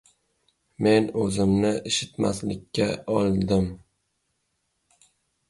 Men o‘zimni eshitmaslikka oldim.